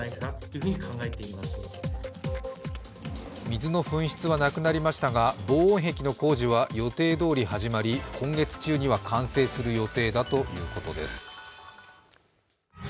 水の噴出はなくなりましたが防音壁の工事は予定どおり始まり今月中には完成する予定だということです。